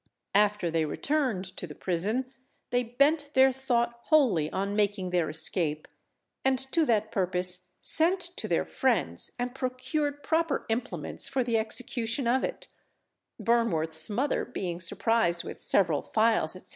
After they returned to the prison, they bent their thought wholly on making their escape, and to that purpose sent to their friends, and procured proper implements for the execution of it: Burnworth's mother being surprised with several files, etc.